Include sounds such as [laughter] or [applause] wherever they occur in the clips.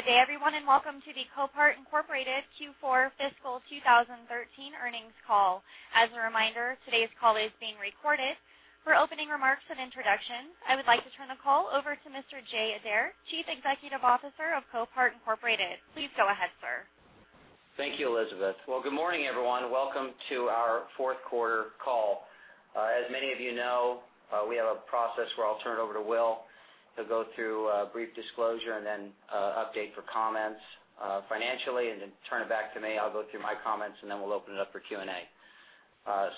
Good day everyone, welcome to the Copart, Inc. Q4 fiscal 2013 earnings call. As a reminder, today's call is being recorded. For opening remarks and introduction, I would like to turn the call over to Mr. Jay Adair, Chief Executive Officer of Copart, Inc. Please go ahead, sir. Thank you, Elizabeth. Well, good morning everyone. Welcome to our fourth quarter call. As many of you know, we have a process where I'll turn it over to Will to go through a brief disclosure and then update for comments financially, and then turn it back to me. I'll go through my comments, and then we'll open it up for Q&A.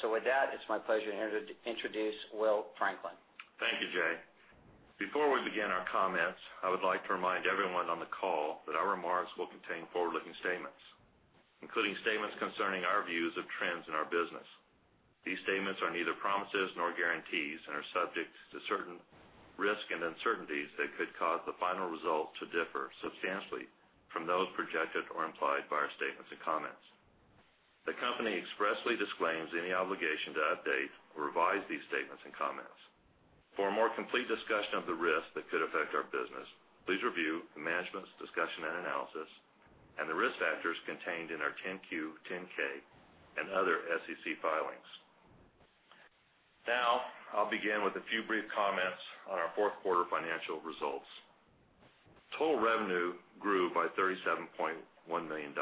With that, it's my pleasure to introduce Will Franklin. Thank you, Jay. Before we begin our comments, I would like to remind everyone on the call that our remarks will contain forward-looking statements, including statements concerning our views of trends in our business. These statements are neither promises nor guarantees and are subject to certain risks and uncertainties that could cause the final result to differ substantially from those projected or implied by our statements and comments. The company expressly disclaims any obligation to update or revise these statements and comments. For a more complete discussion of the risks that could affect our business, please review the management's discussion and analysis and the risk factors contained in our 10-Q, 10-K, and other SEC filings. Now, I'll begin with a few brief comments on our fourth quarter financial results. Total revenue grew by $37.1 million.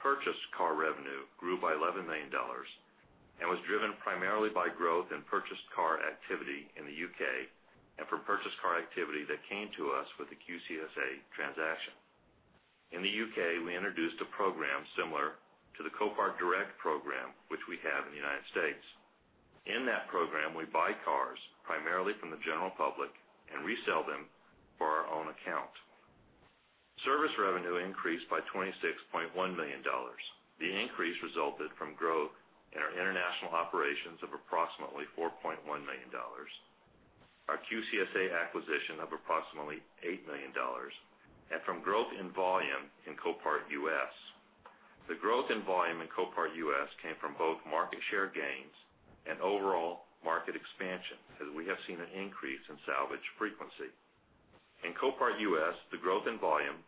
Purchased car revenue grew by $11 million and was driven primarily by growth in purchased car activity in the U.K. and from purchased car activity that came to us with the QCSA transaction. In the U.K., we introduced a program similar to the Copart Direct program, which we have in the U.S. In that program, we buy cars primarily from the general public and resell them for our own account. Service revenue increased by $26.1 million. The increase resulted from growth in our international operations of approximately $4.1 million, our QCSA acquisition of approximately $8 million, and from growth in volume in Copart U.S. The growth in volume in Copart U.S came from both market share gains and overall market expansion, as we have seen an increase in salvage frequency. In Copart U.S., the growth in volume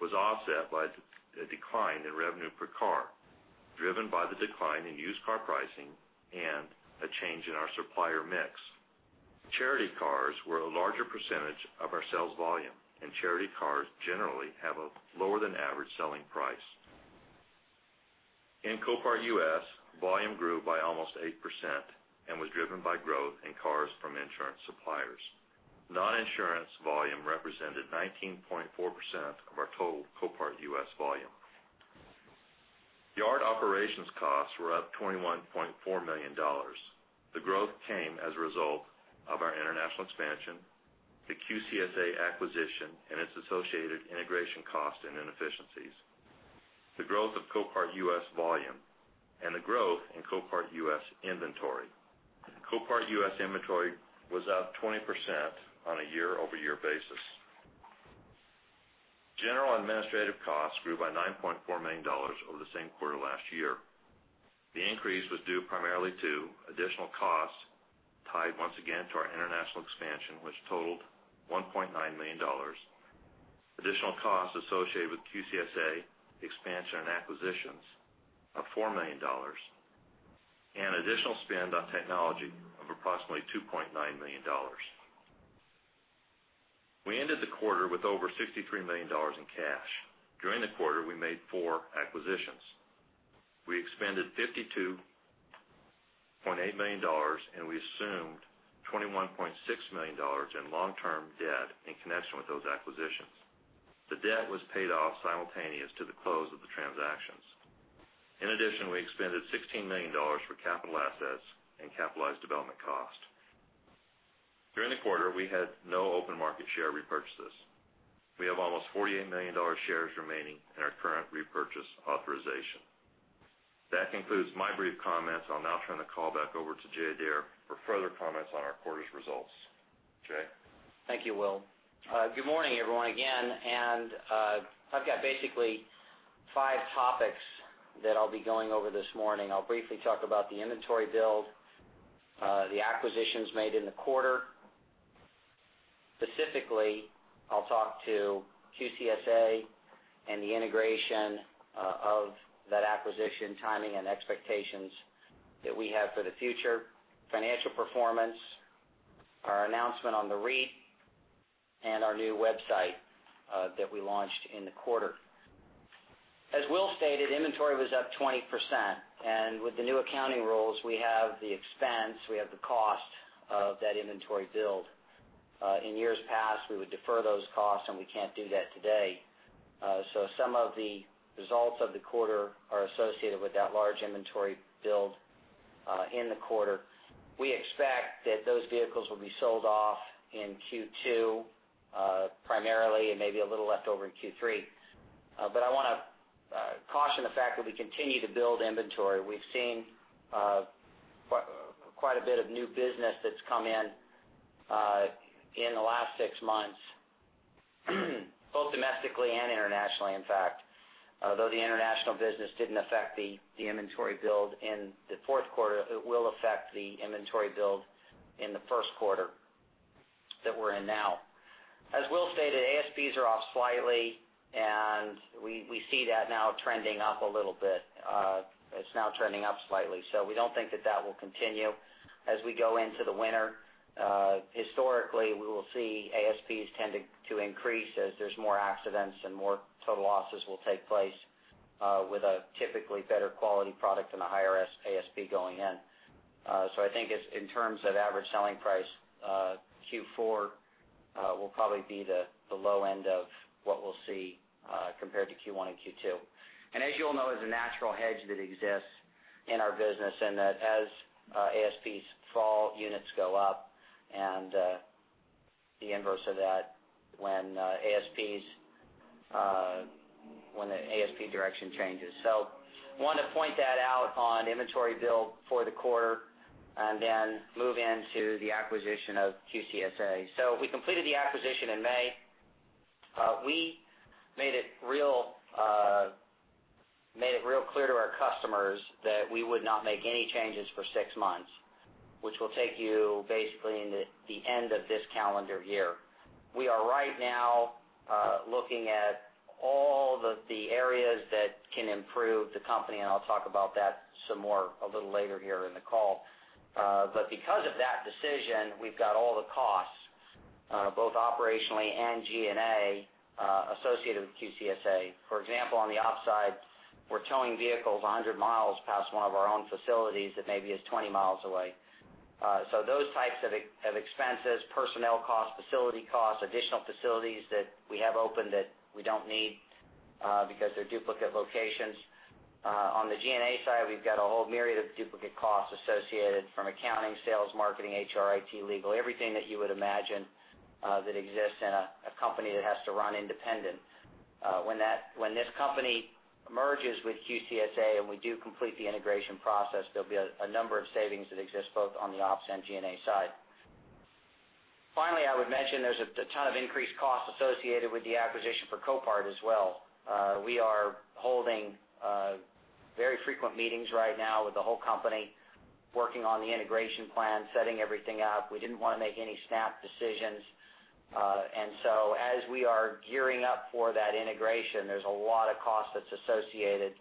was offset by a decline in revenue per car, driven by the decline in used car pricing and a change in our supplier mix. Charity cars were a larger percentage of our sales volume, and charity cars generally have a lower than average selling price. In Copart U.S., volume grew by almost 8% and was driven by growth in cars from insurance suppliers. Non-insurance volume represented 19.4% of our total Copart U.S. volume. Yard operations costs were up $21.4 million. The growth came as a result of our international expansion, the QCSA acquisition and its associated integration cost and inefficiencies, the growth of Copart U.S. volume, and the growth in Copart U.S. inventory. Copart U.S. inventory was up 20% on a year-over-year basis. General administrative costs grew by $9.4 million over the same quarter last year. The increase was due primarily to additional costs tied once again to our international expansion, which totaled $1.9 million, additional costs associated with QCSA expansion and acquisitions of $4 million, and additional spend on technology of approximately $2.9 million. We ended the quarter with over $63 million in cash. During the quarter, we made four acquisitions. We expended $52.8 million, and we assumed $21.6 million in long-term debt in connection with those acquisitions. The debt was paid off simultaneous to the close of the transactions. In addition, we expended $16 million for capital assets and capitalized development cost. During the quarter, we had no open market share repurchases. We have almost $48 million shares remaining in our current repurchase authorization. That concludes my brief comments. I'll now turn the call back over to Jay Adair for further comments on our quarter's results. Jay? Thank you, Will. Good morning, everyone, again. I've got basically five topics that I'll be going over this morning. I'll briefly talk about the inventory build, the acquisitions made in the quarter. Specifically, I'll talk to QCSA and the integration of that acquisition, timing and expectations that we have for the future, financial performance, our announcement on the REIT, and our new website that we launched in the quarter. As Will stated, inventory was up 20%, and with the new accounting rules, we have the expense, we have the cost of that inventory build. In years past, we would defer those costs, and we can't do that today. Some of the results of the quarter are associated with that large inventory build in the quarter. We expect that those vehicles will be sold off in Q2, primarily, and maybe a little left over in Q3. I wanna caution the fact that we continue to build inventory. We've seen quite a bit of new business that's come in in the last six months, both domestically and internationally, in fact. The international business didn't affect the inventory build in the fourth quarter, it will affect the inventory build in the first quarter that we're in now. As Will stated, ASPs are off slightly, and we see that now trending up a little bit. It's now trending up slightly. We don't think that that will continue as we go into the winter. Historically, we will see ASPs tend to increase as there's more accidents and more total losses will take place with a typically better quality product and a higher ASP going in. In terms of average selling price, Q4 will probably be the low end of what we'll see compared to Q1 and Q2. As you all know, there's a natural hedge that exists in our business, and that as ASPs fall, units go up, and the inverse of that when the ASP direction changes. Wanted to point that out on inventory build for the quarter and then move into the acquisition of QCSA. We completed the acquisition in May. We made it real, made it real clear to our customers that we would not make any changes for six months, which will take you basically into the end of this calendar year. We are right now looking at all the areas that can improve the company, and I'll talk about that some more a little later here in the call. Because of that decision, we've got all the costs, both operationally and G&A, associated with QCSA. For example, on the ops side, we're towing vehicles 100 mi past one of our own facilities that maybe is 20 mi away. Those types of expenses, personnel costs, facility costs, additional facilities that we have opened that we don't need, because they're duplicate locations. On the G&A side, we've got a whole myriad of duplicate costs associated from accounting, sales, marketing, HR, IT, legal, everything that you would imagine that exists in a company that has to run independent. When this company merges with QCSA and we do complete the integration process, there'll be a number of savings that exist both on the ops and G&A side. Finally, I would mention there's a ton of increased costs associated with the acquisition for Copart as well. We are holding very frequent meetings right now with the whole company, working on the integration plan, setting everything up. We didn't wanna make any snap decisions. As we are gearing up for that integration, there's a lot of cost that's associated,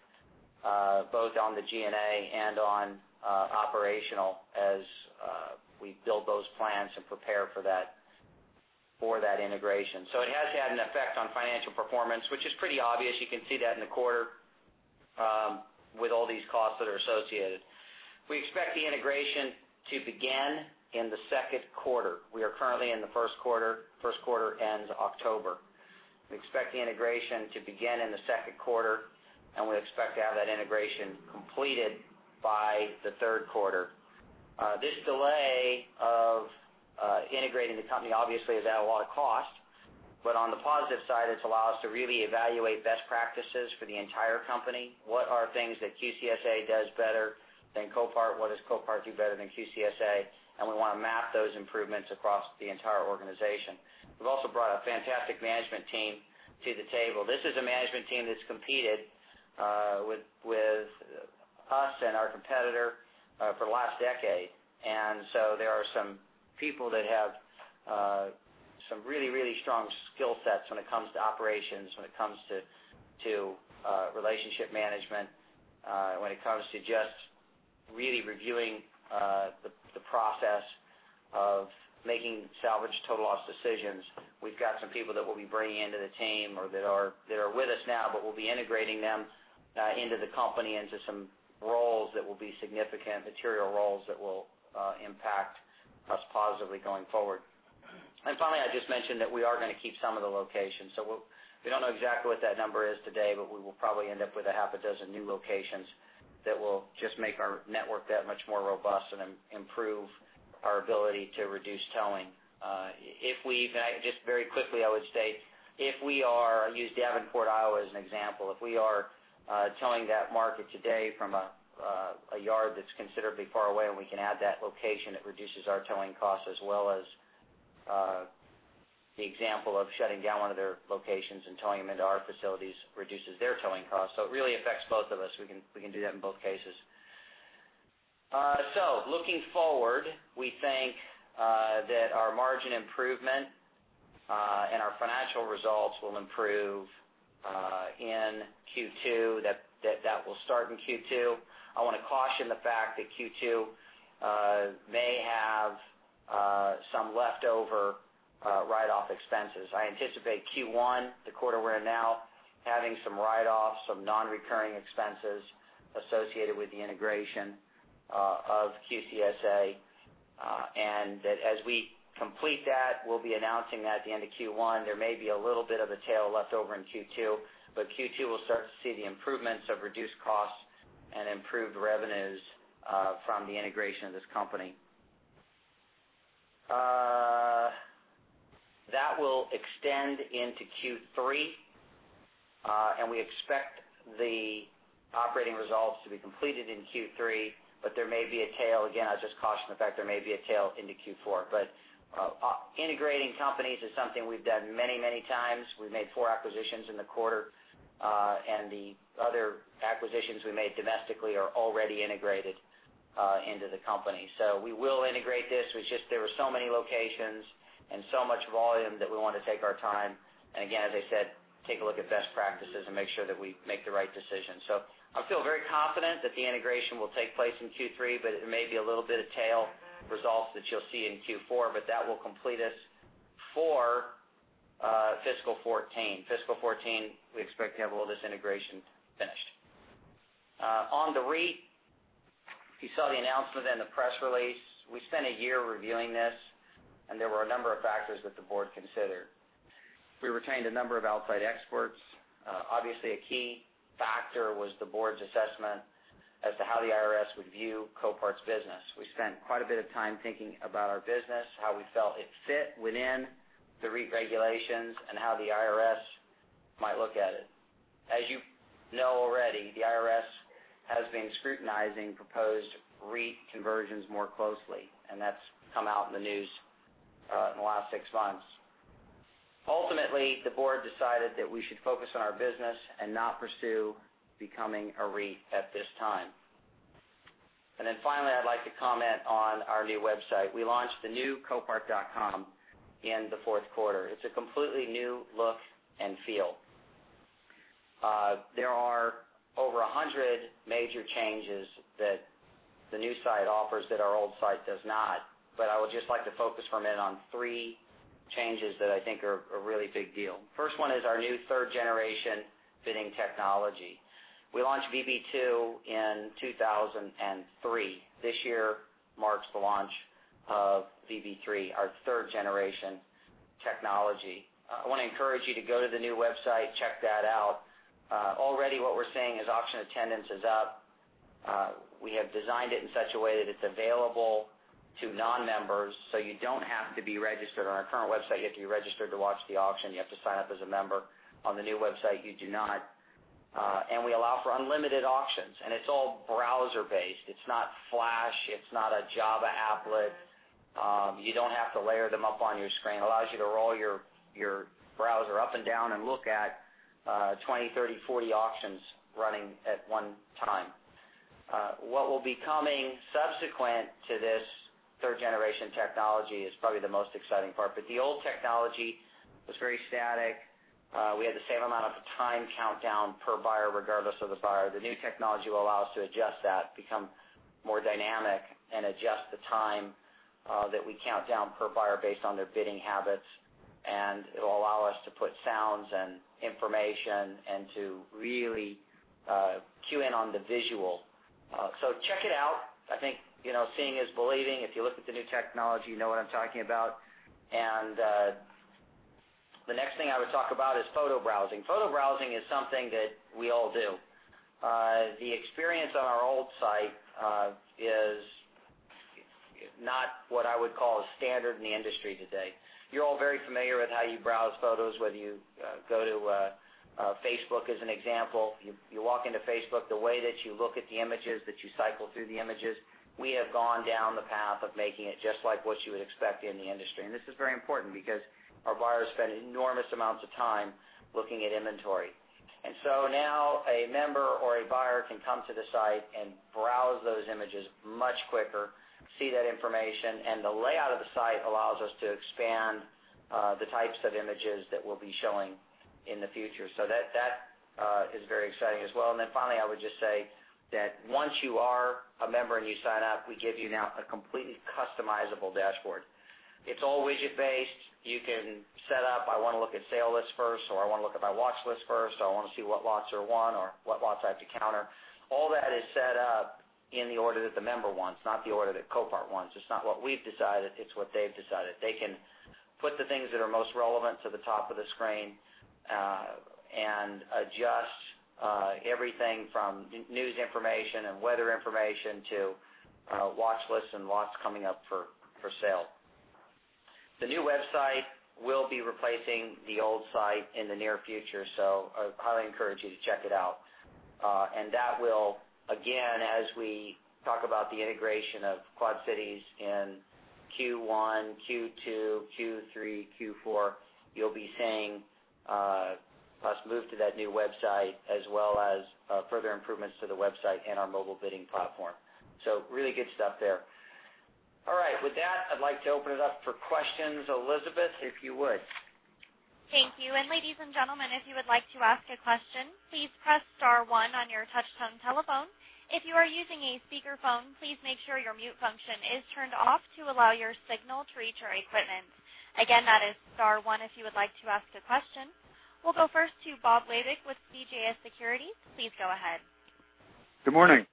both on the G&A and on operational as we build those plans and prepare for that integration. It has had an effect on financial performance, which is pretty obvious. You can see that in the quarter, with all these costs that are associated. We expect the integration to begin in the second quarter. We are currently in the first quarter. First quarter ends October. We expect the integration to begin in the second quarter, and we expect to have that integration completed by the third quarter. This delay of integrating the company obviously has added a lot of cost, but on the positive side, it's allowed us to really evaluate best practices for the entire company. What are things that QCSA does better than Copart? What does Copart do better than QCSA? We want to map those improvements across the entire organization. We've also brought a fantastic management team to the table. This is a management team that's competed with us and our competitor for the last decade. There are some people that have some really, really strong skill sets when it comes to operations, when it comes to relationship management, when it comes to just really reviewing the process of making salvage total loss decisions. We've got some people that we'll be bringing into the team or that are with us now, but we'll be integrating them into the company, into some roles that will be significant, material roles that will impact us positively going forward. Finally, I just mentioned that we are gonna keep some of the locations. We don't know exactly what that number is today, but we will probably end up with a half a dozen new locations that will just make our network that much more robust and improve our ability to reduce towing. I just very quickly, I would state, I'll use Davenport, Iowa, as an example. If we are towing that market today from a yard that's considerably far away and we can add that location, it reduces our towing costs as well as the example of shutting down one of their locations and towing them into our facilities reduces their towing costs. It really affects both of us. We can do that in both cases. Looking forward, we think that our margin improvement and our financial results will improve in Q2, that will start in Q2. I wanna caution the fact that Q2 may have some leftover write-off expenses. I anticipate Q1, the quarter we're in now, having some write-offs, some non-recurring expenses associated with the integration of QCSA, and that as we complete that, we'll be announcing that at the end of Q1. There may be a little bit of a tail left over in Q2, but Q2, we'll start to see the improvements of reduced costs and improved revenues from the integration of this company. That will extend into Q3, and we expect the operating results to be completed in Q3, but there may be a tail. Again, I'll just caution the fact there may be a tail into Q4. Integrating companies is something we've done many, many times. We've made four acquisitions in the quarter, and the other acquisitions we made domestically are already integrated into the company. We will integrate this. It's just there were so many locations and so much volume that we wanna take our time, and again, as I said, take a look at best practices and make sure that we make the right decision. I feel very confident that the integration will take place in Q3, but it may be a little bit of tail results that you'll see in Q4, but that will complete us for fiscal 2014. Fiscal 2014, we expect to have all this integration finished. On the REIT, you saw the announcement in the press release. We spent a year reviewing this. There were a number of factors that the board considered. We retained a number of outside experts. Obviously, a key factor was the board's assessment as to how the IRS would view Copart's business. We spent quite a bit of time thinking about our business, how we felt it fit within the REIT regulations, and how the IRS might look at it. As you know already, the IRS has been scrutinizing proposed REIT conversions more closely, and that's come out in the news in the last six months. Ultimately, the board decided that we should focus on our business and not pursue becoming a REIT at this time. Finally, I'd like to comment on our new website. We launched the new copart.com in the fourth quarter. It's a completely new look and feel. There are over 100 major changes that the new site offers that our old site does not. I would just like to focus for a minute on three changes that I think are a really big deal. First one is our new third-generation bidding technology. We launched VB2 in 2003. This year marks the launch of VB3, our third-generation technology. I wanna encourage you to go to the new website, check that out. Already what we're seeing is auction attendance is up. We have designed it in such a way that it's available to non-members, so you don't have to be registered. On our current website, you have to be registered to watch the auction. You have to sign up as a member. On the new website, you do not. We allow for unlimited auctions, and it's all browser-based. It's not Flash. It's not a Java applet. You don't have to layer them up on your screen. Allows you to roll your browser up and down and look at 20, 30, 40 auctions running at one time. What will be coming subsequent to this third-generation technology is probably the most exciting part. The old technology was very static. We had the same amount of time countdown per buyer regardless of the buyer. The new technology will allow us to adjust that, become more dynamic, and adjust the time that we count down per buyer based on their bidding habits. It'll allow us to put sounds and information and to really cue in on the visual. Check it out. I think, you know, seeing is believing. If you look at the new technology, you know what I'm talking about. The next thing I would talk about is photo browsing. Photo browsing is something that we all do. The experience on our old site is not what I would call standard in the industry today. You're all very familiar with how you browse photos, whether you go to Facebook as an example. You, you walk into Facebook, the way that you look at the images, that you cycle through the images, we have gone down the path of making it just like what you would expect in the industry. This is very important because our buyers spend enormous amounts of time looking at inventory. Now a member or a buyer can come to the site and browse those images much quicker, see that information, and the layout of the site allows us to expand the types of images that we'll be showing in the future. That is very exciting as well. Finally, I would just say that once you are a member and you sign up, we give you now a completely customizable dashboard. It's all widget-based. You can set up, I wanna look at sale list first, or I wanna look at my watch list first, or I wanna see what lots are won or what lots I have to counter. All that is set up in the order that the member wants, not the order that Copart wants. It's not what we've decided. It's what they've decided. They can put the things that are most relevant to the top of the screen and adjust everything from news information and weather information to watch lists and lots coming up for sale. The new website will be replacing the old site in the near future. I highly encourage you to check it out. That will, again, as we talk about the integration of Quad Cities in Q1, Q2, Q3, Q4, you'll be seeing us move to that new website as well as further improvements to the website and our mobile bidding platform. Really good stuff there. All right. With that, I'd like to open it up for questions. Elizabeth, if you would. Thank you. And ladies and gentlemen, if you would like to ask a question, please press star one on your touch-tone telephone. If you are using a speakerphone, please make sure your mute function is turned off to allow your signal to reach our equipment. Again, that is star one if you would like to ask a question. We'll go first to Bob Labick with CJS Securities. Please go ahead. Good morning.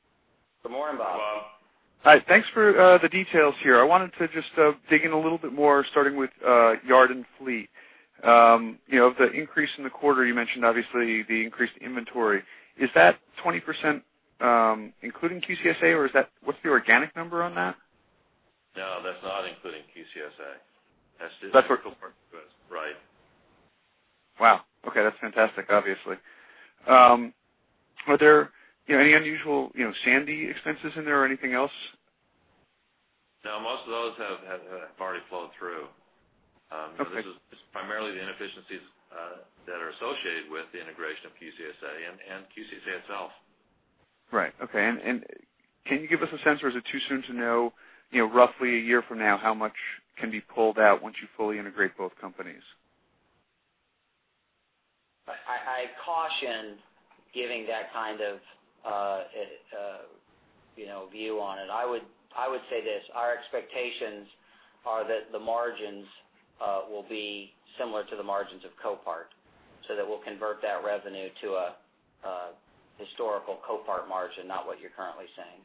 Good morning, Bob. Good morning, Bob. Hi. Thanks for the details here. I wanted to just dig in a little bit more, starting with yard and fleet. You know, the increase in the quarter, you mentioned obviously the increased inventory. Is that 20%, including QCSA, or what's the organic number on that? No, that's not including QCSA. That's just- That's for Copart. Wow, okay. That's fantastic, obviously. Are there, you know, any unusual, you know, Sandy expenses in there or anything else? No, most of those have already flowed through. Okay. This is just primarily the inefficiencies, that are associated with the integration of QCSA and QCSA itself. Right. Okay. Can you give us a sense, or is it too soon to know, you know, roughly a year from now, how much can be pulled out once you fully integrate both companies? I caution giving that kind of, you know, view on it. I would say this, our expectations are that the margins will be similar to the margins of Copart, so that we'll convert that revenue to a historical Copart margin, not what you're currently seeing.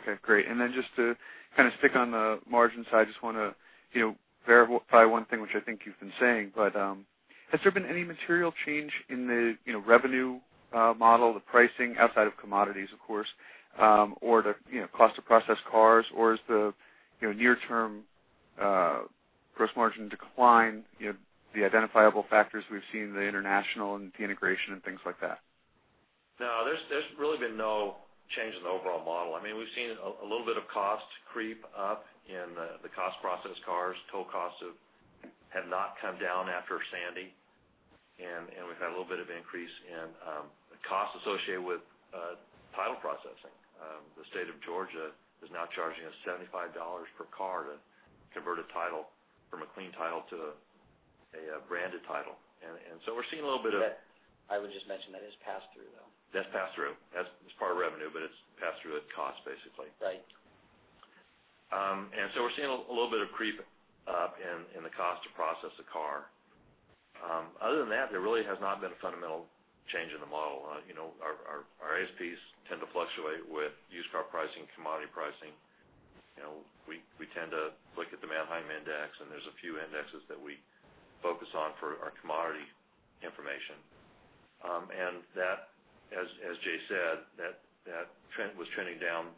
Okay, great. Just to kind of stick on the margin side, just wanna, you know, verify one thing, which I think you've been saying, but has there been any material change in the, you know, revenue model, the pricing outside of commodities of course, or the, you know, cost to process cars? Is the, you know, near term gross margin decline, you know, the identifiable factors we've seen, the international and the integration and things like that? No, there's really been no change in the overall model. I mean, we've seen a little bit of cost creep up in the cost to process cars. Tow costs have not come down after Sandy. We've had a little bit of increase in the costs associated with title processing. The State of Georgia is now charging us $75 per car to convert a title from a clean title to a branded title. We're seeing a little bit of- That, I would just mention that is pass-through, though. That's pass-through. It's part of revenue, but it's pass-through at cost, basically. Right. We're seeing a little bit of creep up in the cost to process a car. Other than that, there really has not been a fundamental change in the model. You know, our ASPs tend to fluctuate with used car pricing, commodity pricing. You know, we tend to look at the Manheim Index, and there's a few indexes that we focus on for our commodity information. That, as Jay said, that trend was trending down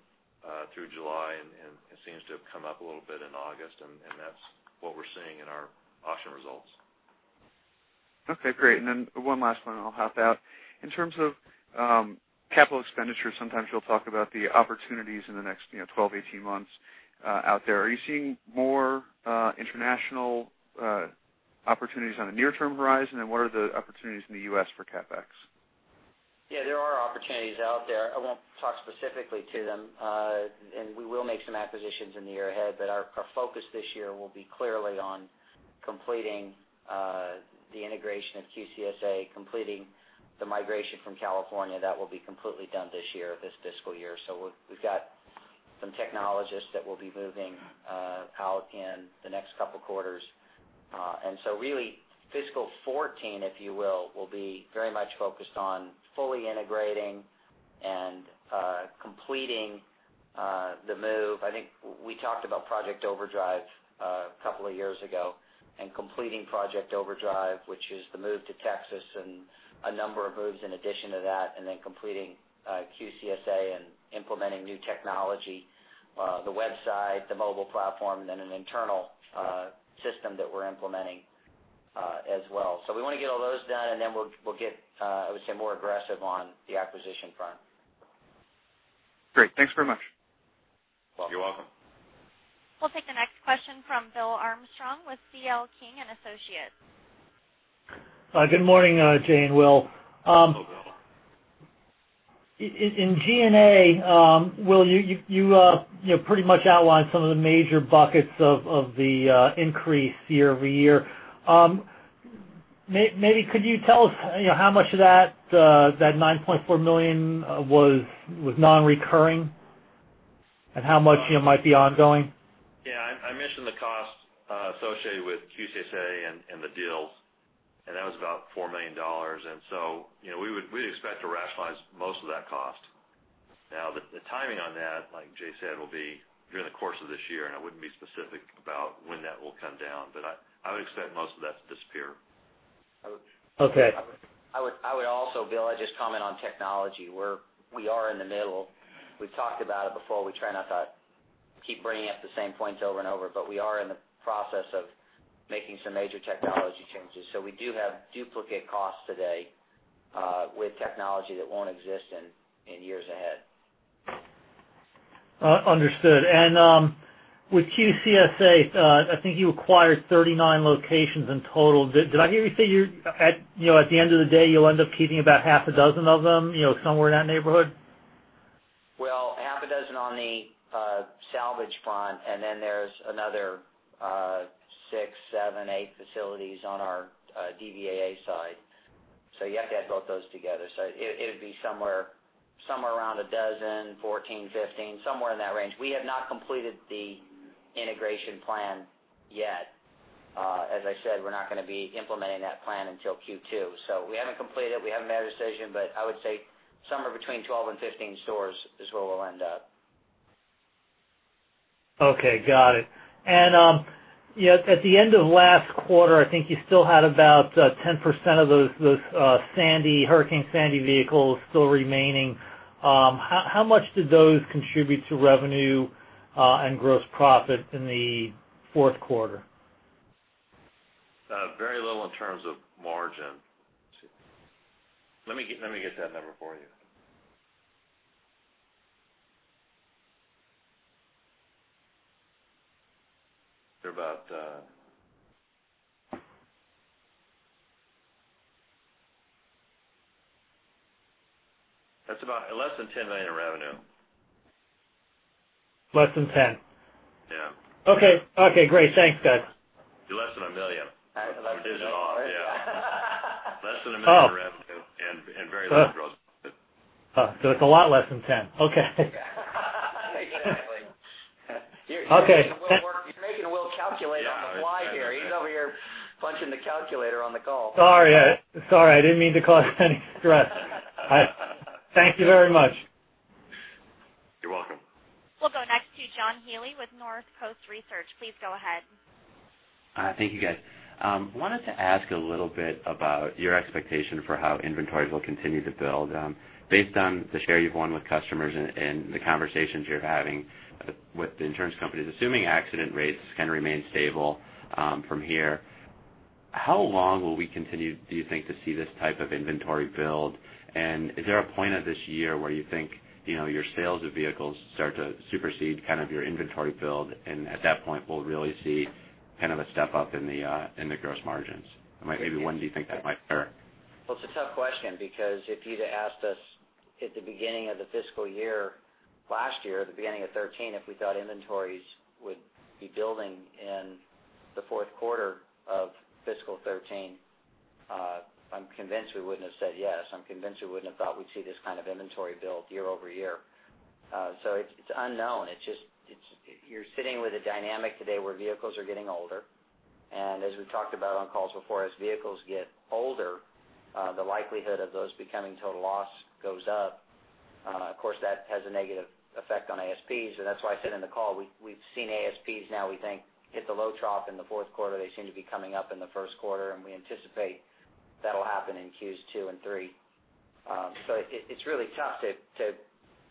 through July and it seems to have come up a little bit in August, and that's what we're seeing in our auction results. Okay, great. One last one, and I'll hop out. In terms of capital expenditures, sometimes you'll talk about the opportunities in the next, you know, 12-18 months out there. Are you seeing more international opportunities on the near-term horizon? What are the opportunities in the U.S. for CapEx? Yeah, there are opportunities out there. I won't talk specifically to them. We will make some acquisitions in the year ahead, but our focus this year will be clearly on completing the integration of QCSA, completing the migration from California. That will be completely done this year, this fiscal year. We've got some technologists that will be moving out in the next couple quarters. Really, fiscal 2014, if you will be very much focused on fully integrating and completing the move. I think we talked about Project Overdrive, couple of years ago, and completing Project Overdrive, which is the move to Texas and a number of moves in addition to that, and then completing QCSA and implementing new technology, the website, the mobile platform, and an internal system that we're implementing as well. We wanna get all those done, and then we'll get, I would say, more aggressive on the acquisition front. Great. Thanks very much. Welcome. You're welcome. We'll take the next question from Bill Armstrong with C. L. King & Associates. good morning, Jay and Will. Hello, Bill. In G&A, Will, you know, pretty much outlined some of the major buckets of the increase year-over-year. Maybe could you tell us, you know, how much of that $9.4 million was non-recurring? How much, you know, might be ongoing? Yeah, I mentioned the cost associated with QCSA and the deals, and that was about $4 million. You know, we'd expect to rationalize most of that cost. The timing on that, like Jay said, will be during the course of this year, and I wouldn't be specific about when that will come down. I would expect most of that to disappear. O-okay. I would also, Bill, I'd just comment on technology. We are in the middle. We've talked about it before. We try not to keep bringing up the same points over and over, but we are in the process of making some major technology changes. We do have duplicate costs today with technology that won't exist in years ahead. Understood. With QCSA, I think you acquired 39 locations in total. Did I hear you say you're at, you know, at the end of the day, you'll end up keeping about half a dozen of them, you know, somewhere in that neighborhood? Well, half a dozen on the salvage front, and then there's another six, seven, eight facilities on our DVA side. You have to add both those together. It would be somewhere around 12, 14, 15, somewhere in that range. We have not completed the integration plan yet. As I said, we're not gonna be implementing that plan until Q2. We haven't completed it, we haven't made a decision, but I would say somewhere between 12 and 15 stores is where we'll end up. Okay, got it. You know, at the end of last quarter, I think you still had about 10% of those Sandy, Hurricane Sandy vehicles still remaining. How much did those contribute to revenue and gross profit in the fourth quarter? Very little in terms of margin. Let me get that number for you. That's about less than $10 million in revenue. Less than $10? Yeah. Okay. Okay, great. Thanks, guys. Less than $1 million. Less than $1 million. I'm [a digit off], yeah. Less than $1 million- Oh -in revenue and very little gross. Oh. It's a lot less than $10. Okay. Exactly. Okay. You're making Will calculate on the fly here. Yeah. He's over here punching the calculator on the call. Sorry, I didn't mean to cause any stress. Thank you very much. You're welcome. We'll go next to John Healy with Northcoast Research. Please go ahead. Thank you, guys. Wanted to ask a little bit about your expectation for how inventories will continue to build. Based on the share you've won with customers and the conversations you're having with the insurance companies, assuming accident rates kind of remain stable from here, how long will we continue, do you think, to see this type of inventory build? Is there a point of this year where you think, you know, your sales of vehicles start to supersede kind of your inventory build, and at that point, we'll really see kind of a step up in the gross margins? Maybe when do you think that might occur? Well, it's a tough question because if you'd have asked us at the beginning of the fiscal year last year, the beginning of 2013, if we thought inventories would be building in the fourth quarter of fiscal 2013, I'm convinced we wouldn't have said yes. I'm convinced we wouldn't have thought we'd see this kind of inventory build year-over-year. It's unknown. It's just you're sitting with a dynamic today where vehicles are getting older. As we talked about on calls before, as vehicles get older, the likelihood of those becoming total loss goes up. Of course, that has a negative effect on ASPs, that's why I said in the call, we've seen ASPs now we think hit the low trough in the fourth quarter. They seem to be coming up in the first quarter, and we anticipate that'll happen in Qs two and three. It's really tough to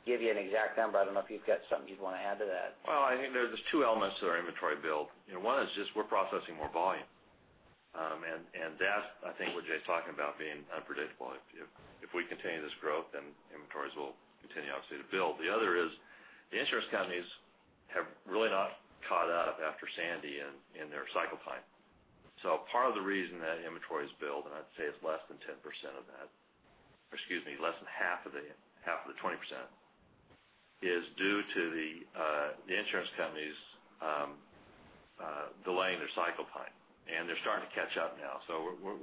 give you an exact number. I don't know if you've got something you'd want to add to that. Well, I think there's two elements to our inventory build. You know, one is just we're processing more volume. That's, I think, what Jay's talking about being unpredictable. If we continue this growth, then inventories will continue, obviously to build. The other is the insurance companies have really not caught up after Sandy in their cycle time. Part of the reason that inventory is built, and I'd say it's less than 10% of that, or excuse me, less than half of the 20%, is due to the insurance companies delaying their cycle time, and they're starting to catch up now.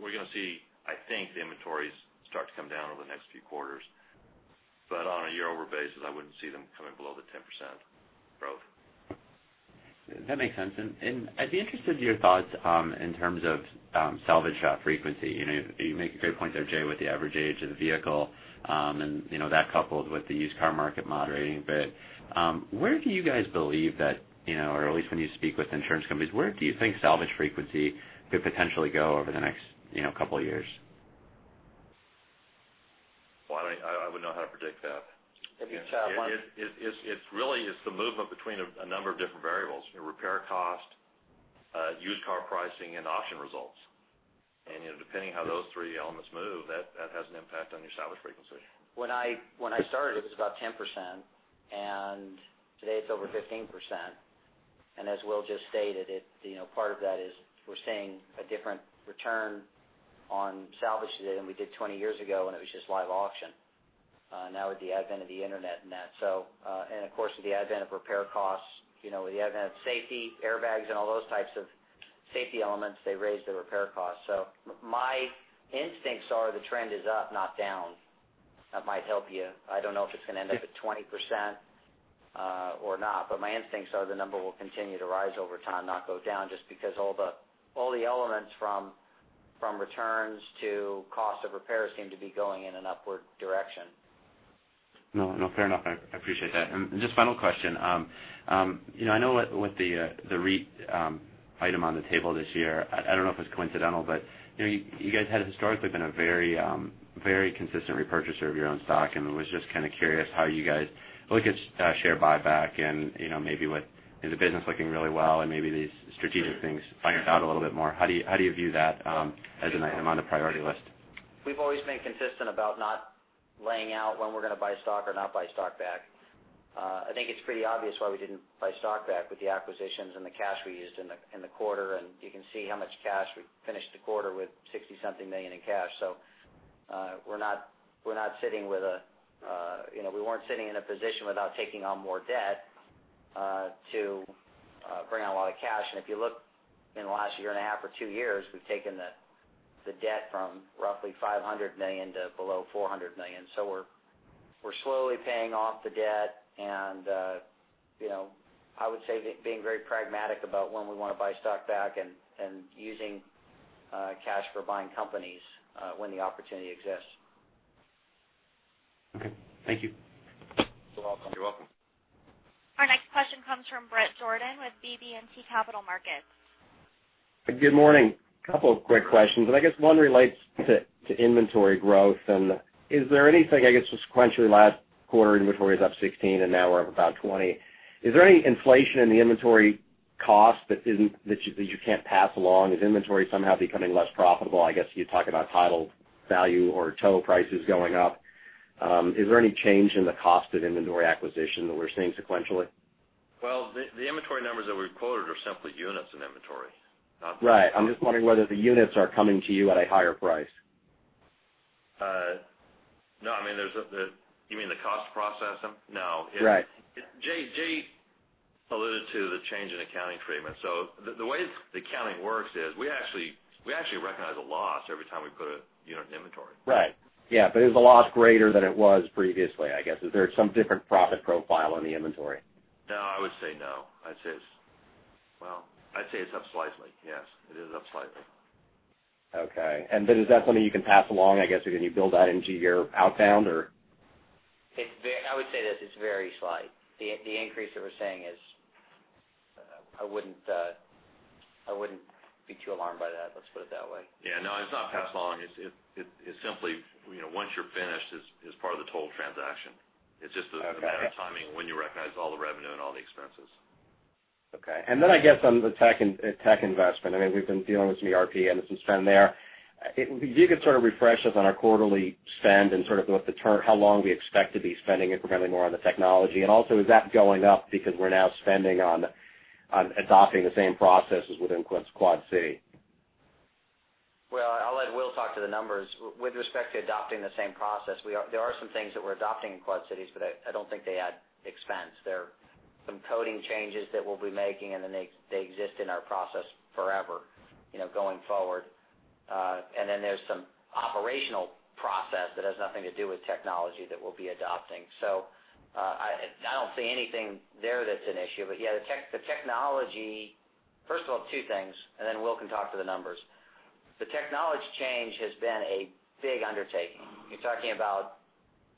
We're gonna see, I think, the inventories start to come down over the next few quarters. On a year-over basis, I wouldn't see them coming below the 10% growth. That makes sense. I'd be interested in your thoughts in terms of salvage frequency. You know, you make a great point there, Jay, with the average age of the vehicle, and you know, that coupled with the used car market moderating a bit. Where do you guys believe that, you know, or at least when you speak with insurance companies, where do you think salvage frequency could potentially go over the next, you know, next couple of years? Well, I wouldn't know how to predict that. If you. [crosstalk] It's really the movement between a number of different variables. You know, repair cost, used car pricing, and auction results. You know, depending how those three elements move, that has an impact on your salvage frequency. When I started, it was about 10%, today it's over 15%. As Will just stated, it, you know, part of that is we're seeing a different return on salvage today than we did 20 years ago when it was just live auction. Now with the advent of the internet and that. Of course, with the advent of repair costs, you know, with the advent of safety, airbags, and all those types of safety elements, they raise the repair cost. My instincts are the trend is up, not down. That might help you. I don't know if it's gonna end up at 20%, or not, but my instincts are the number will continue to rise over time, not go down, just because all the elements from returns to cost of repairs seem to be going in an upward direction. No, no, fair enough. I appreciate that. Just final question. you know, I know with the item on the table this year, I don't know if it's coincidental, but, you know, you guys had historically been a very, very consistent repurchaser of your own stock, and I was just kind of curious how you guys look at share buyback and, you know, maybe with, you know, the business looking really well and maybe these strategic things financed out a little bit more. How do you view that as an item on the priority list? We've always been consistent about not laying out when we're gonna buy stock or not buy stock back. I think it's pretty obvious why we didn't buy stock back with the acquisitions and the cash we used in the quarter. You can see how much cash we finished the quarter with $60 something million in cash. We're not sitting with a, you know, we weren't sitting in a position without taking on more debt to bring out a lot of cash. If you look in the last year and a half or two years, we've taken the debt from roughly $500 million to below $400 million. We're slowly paying off the debt and, you know, I would say being very pragmatic about when we wanna buy stock back and using cash for buying companies when the opportunity exists. Okay. Thank you. You're welcome. You're welcome. Our next question comes from Bret Jordan with BB&T Capital Markets. Good morning. A couple of quick questions, and I guess one relates to inventory growth. Is there anything, I guess, just sequentially last quarter inventory is up 16%, and now we're up about 20%. Is there any inflation in the inventory cost that isn't, that you can't pass along? Is inventory somehow becoming less profitable? I guess you talk about title value or tow prices going up. Is there any change in the cost of inventory acquisition that we're seeing sequentially? Well, the inventory numbers that we've quoted are simply units in inventory. Right. I'm just wondering whether the units are coming to you at a higher price. No, I mean, you mean the cost to process them? No. Right. Jay alluded to the change in accounting treatment. The way the accounting works is we actually recognize a loss every time we put a unit in inventory. Right. Yeah, is the loss greater than it was previously, I guess? Is there some different profit profile on the inventory? No, I would say no. I'd say it's up slightly. Yes, it is up slightly. Okay. Is that something you can pass along, I guess? I mean, you build that into your outbound or? I would say that it's very slight. The increase that we're seeing is, I wouldn't, I wouldn't be too alarmed by that, let's put it that way. Yeah, no, it's not passed along. It's simply, you know, once you're finished, it's part of the total transaction. Okay. It's just a matter of timing when you recognize all the revenue and all the expenses. Okay. I guess on the tech investment, I mean, we've been dealing with some ERP and some spend there. If you could sort of refresh us on our quarterly spend and sort of how long we expect to be spending incrementally more on the technology. Also, is that going up because we're now spending on adopting the same processes within Quad City? Well, I'll let Will talk to the numbers. With respect to adopting the same process, we are there are some things that we're adopting in Quad Cities, but I don't think they add expense. There are some coding changes that we'll be making, then they exist in our process forever, you know, going forward. Then there's some operational process that has nothing to do with technology that we'll be adopting. I don't see anything there that's an issue. Yeah, the technology First of all, two things, then Will can talk to the numbers. The technology change has been a big undertaking. You're talking about,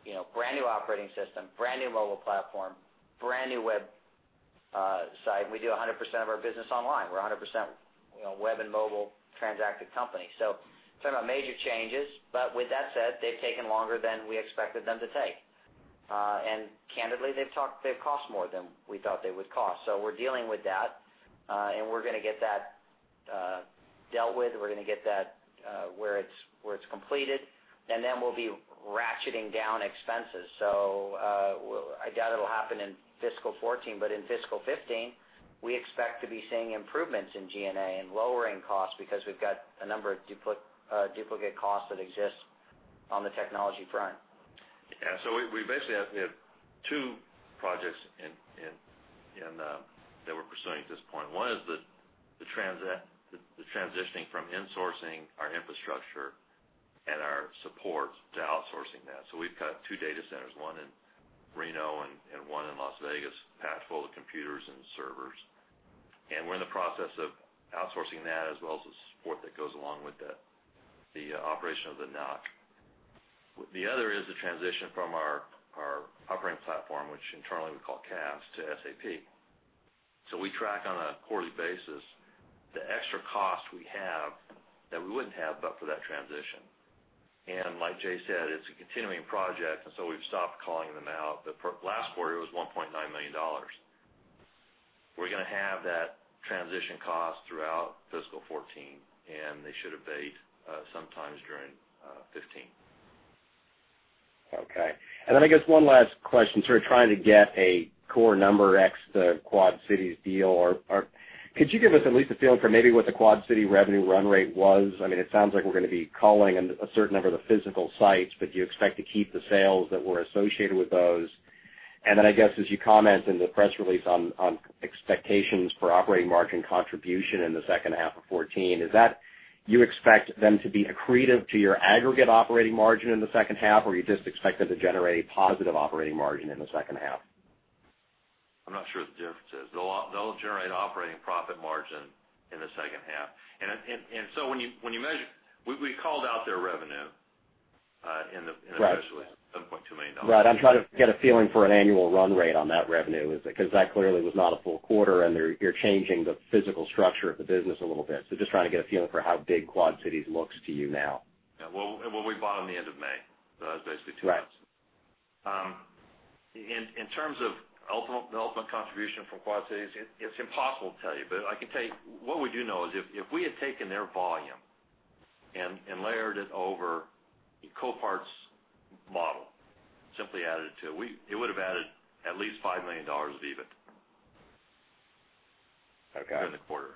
you know, brand-new operating system, brand-new mobile platform, brand-new web site. We do a 100% of our business online. We're a 100%, you know, web and mobile transacted company. Talking about major changes. With that said, they've taken longer than we expected them to take. Candidly, they've cost more than we thought they would cost. We're dealing with that, and we're gonna get that dealt with. We're gonna get that where it's completed. We'll be ratcheting down expenses. I doubt it'll happen in fiscal 2014, but in fiscal 2015, we expect to be seeing improvements in G&A and lowering costs because we've got a number of duplicate costs that exist on the technology front. Yeah. We basically have two projects in that we're pursuing at this point. One is the transitioning from insourcing our infrastructure and our support to outsourcing that. We've got two data centers, one in Reno and one in Las Vegas, packed full of computers and servers. We're in the process of outsourcing that as well as the support that goes along with the operation of the NOC. The other is the transition from our operating platform, which internally we call CAS to SAP. We track on a quarterly basis the extra costs we have that we wouldn't have but for that transition. Like Jay said, it's a continuing project, and so we've stopped calling them out. For last quarter, it was $1.9 million. We're going to have that transition cost throughout fiscal 2014, and they should abate sometimes during 2015. Okay. Then I guess one last question, sort of trying to get a core number ex the Quad Cities deal or could you give us at least a feel for maybe what the Quad Cities revenue run rate was? I mean, it sounds like we're gonna be culling a certain number of the physical sites, but do you expect to keep the sales that were associated with those? Then I guess as you comment in the press release on expectations for operating margin contribution in the second half of 2014, is that you expect them to be accretive to your aggregate operating margin in the second half, or you just expect them to generate a positive operating margin in the second half? I'm not sure what the difference is. They'll generate operating profit margin in the second half. When you measure, we called out their revenue. Right. In the press release, $7.2 million. Right. I'm trying to get a feeling for an annual run rate on that revenue. Is it because that clearly was not a full quarter, and you're changing the physical structure of the business a little bit. Just trying to get a feeling for how big Quad Cities looks to you now. Yeah. Well, we bought them the end of May, so that was basically two months. Right. In terms of the ultimate contribution from Quad Cities, it's impossible to tell you. I can tell you, what we do know is if we had taken their volume and layered it over Copart's model, simply added it to it would have added at least $5 million of EBIT. Okay. During the quarter.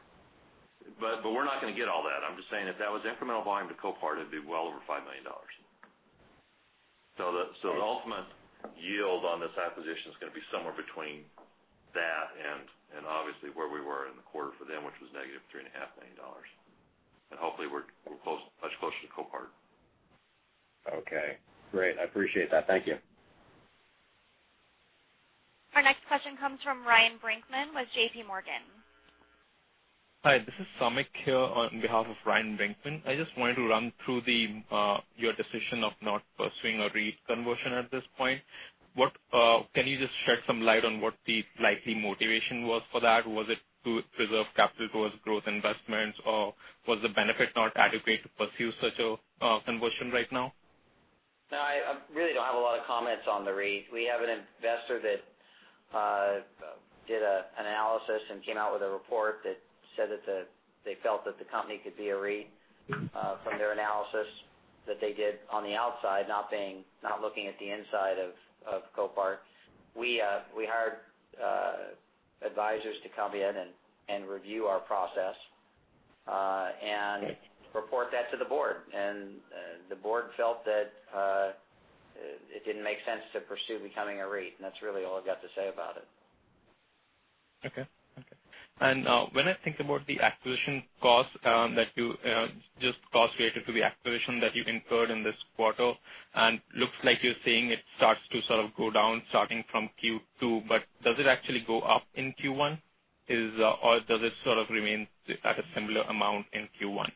We're not gonna get all that. I'm just saying if that was incremental volume to Copart, it'd be well over $5 million. Right. The ultimate yield on this acquisition is gonna be somewhere between that and obviously where we were in the quarter for them, which was -$3.5 million. Hopefully, we're close, much closer to Copart. Okay. Great. I appreciate that. Thank you. Our next question comes from Ryan Brinkman with JPMorgan. Hi, this is Samik here on behalf of Ryan Brinkman. I just wanted to run through the your decision of not pursuing a REIT conversion at this point. What can you just shed some light on what the likely motivation was for that? Was it to preserve capital towards growth investments, or was the benefit not adequate to pursue such a conversion right now? No, I really don't have a lot of comments on the REIT. We have an investor that did an analysis and came out with a report that said that they felt that the company could be a REIT from their analysis that they did on the outside, not looking at the inside of Copart. We hired advisors to come in and review our process and report that to the board. The board felt that it didn't make sense to pursue becoming a REIT. That's really all I've got to say about it. Okay. Okay. When I think about the acquisition costs, that you, just costs related to the acquisition that you've incurred in this quarter, and looks like you're saying it starts to sort of go down starting from Q2. Does it actually go up in Q1? Does it sort of remain at a similar amount in Q1?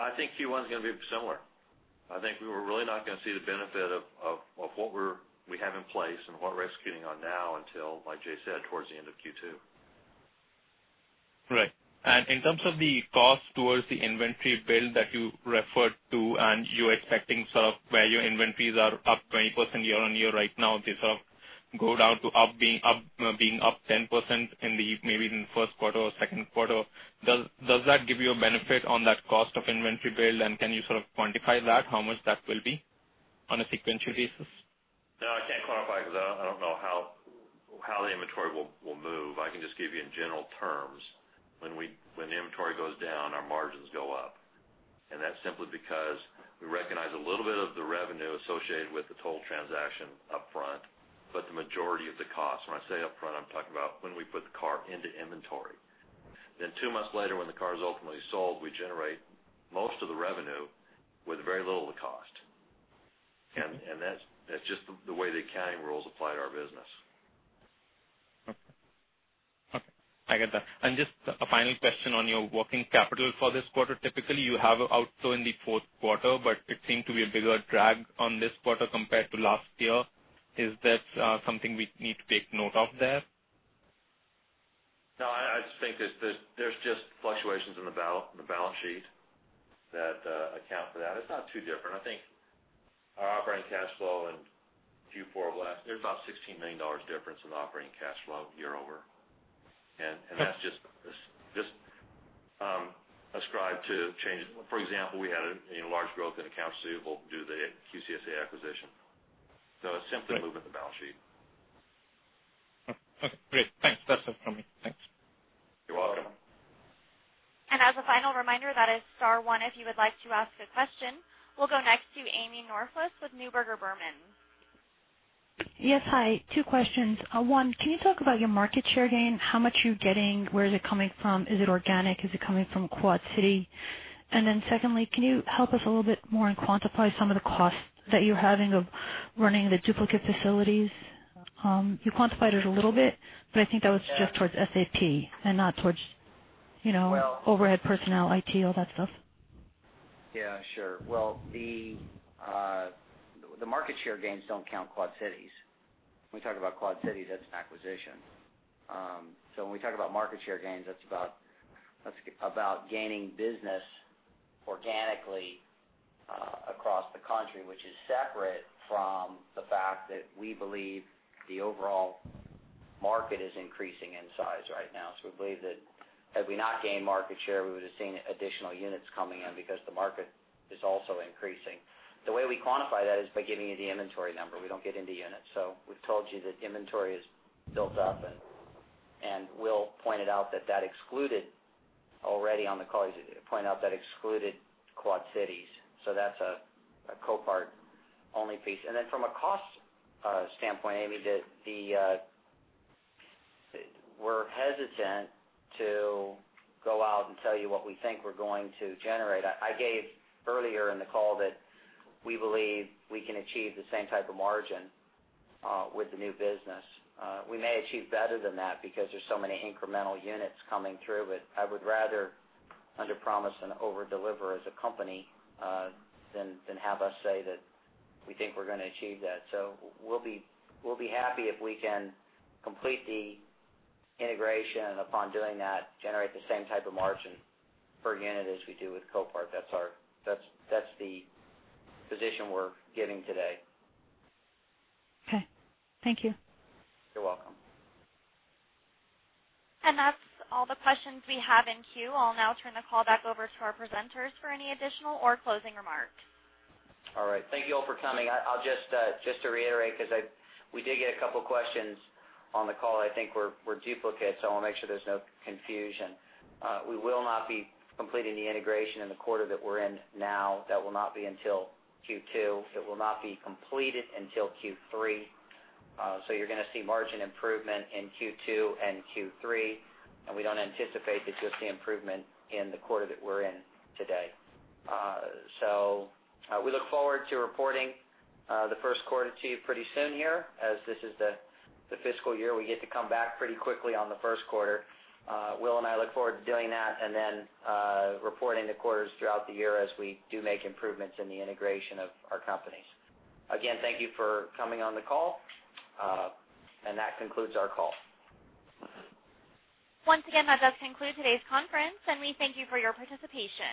I think Q1 is gonna be similar. I think we were really not gonna see the benefit of what we have in place and what is getting on now until, like Jay said, towards the end of Q2. Right. In terms of the cost towards the inventory build that you referred to, and you're expecting sort of where your inventories are up 20% year-on-year right now, they sort of go down to up, being up 10% in the, maybe in the first quarter or second quarter. Does that give you a benefit on that cost of inventory build, and can you sort of quantify that, how much that will be on a sequential basis? No, I can't quantify because I don't know how the inventory will move. I can just give you in general terms. When inventory goes down, our margins go up. That's simply because we recognize a little bit of the revenue associated with the total transaction up front, but the majority of the cost. When I say up front, I'm talking about when we put the car into inventory. Two months later, when the car is ultimately sold, we generate most of the revenue with very little of the cost. That's just the way the accounting rules apply to our business. Okay. Okay, I get that. Just a final question on your working capital for this quarter. Typically, you have an outflow in the fourth quarter, but it seemed to be a bigger drag on this quarter compared to last year. Is that something we need to take note of there? No, I just think there's just fluctuations in the balance sheet that account for that. It's not too different. I think our operating cash flow in Q4 of last, there's about $16 million difference in operating cash flow year-over. That's just ascribed to changes. For example, we had a, you know, large growth in accounts receivable due to the QCSA acquisition. It's simply a move in the balance sheet. Okay, great. Thanks. That's it from me. Thanks. You're welcome. As a final reminder, that is star one if you would like to ask a question. We'll go next to Amy Norflus with Neuberger Berman. Yes. Hi. Two questions. One, can you talk about your market share gain? How much are you getting? Where is it coming from? Is it organic? Is it coming from Quad City? Secondly, can you help us a little bit more and quantify some of the costs that you're having of running the duplicate facilities? You quantified it a little bit, I think that was just towards SAP and not towards, you know. Well- -overhead personnel, IT, all that stuff. Yeah, sure. The market share gains don't count Quad Cities. When we talk about Quad Cities, that's an acquisition. When we talk about market share gains, that's about gaining business organically across the country, which is separate from the fact that we believe the overall market is increasing in size right now. We believe that had we not gained market share, we would have seen additional units coming in because the market is also increasing. The way we quantify that is by giving you the inventory number. We don't get into units. We've told you that inventory is built up, and Will pointed out that excluded already on the call. He's pointed out that excluded Quad Cities. That's a Copart-only piece. From a cost standpoint, Amy, we're hesitant to go out and tell you what we think we're going to generate. I gave earlier in the call that we believe we can achieve the same type of margin with the new business. We may achieve better than that because there's so many incremental units coming through. I would rather underpromise and overdeliver as a company than have us say that we think we're gonna achieve that. We'll be happy if we can complete the integration, and upon doing that, generate the same type of margin per unit as we do with Copart. That's the position we're giving today. Okay. Thank you. You're welcome. That's all the questions we have in queue. I'll now turn the call back over to our presenters for any additional or closing remarks. All right. Thank you all for coming. I'll just to reiterate, 'cause we did get a couple of questions on the call, I think were duplicate, so I want to make sure there's no confusion. We will not be completing the integration in the quarter that we're in now. That will not be until Q2. It will not be completed until Q3. You're going to see margin improvement in Q2 and Q3, and we don't anticipate that you'll see improvement in the quarter that we're in today. We look forward to reporting the first quarter to you pretty soon here. As this is the fiscal year, we get to come back pretty quickly on the first quarter. Will and I look forward to doing that, reporting the quarters throughout the year as we do make improvements in the integration of our companies. Again, thank you for coming on the call. That concludes our call. Once again, that does conclude today's conference, and we thank you for your participation.